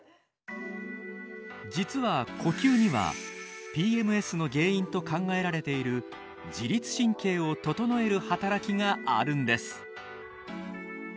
実は呼吸にはＰＭＳの原因と考えられている自律神経を整える働きがあるんです。